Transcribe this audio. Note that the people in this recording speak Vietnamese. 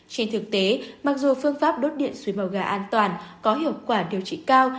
trên thực tế mặc dù phương pháp đốt điện xui màu gà an toàn có hiệu quả điều trị cao